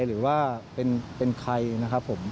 หรือว่าเป็นใครนะครับผม